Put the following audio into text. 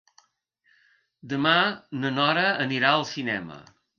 Demà na Nora anirà al cinema.